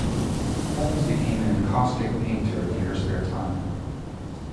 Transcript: Holmes became an encaustic painter in her spare time.